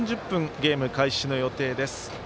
ゲーム開始の予定です。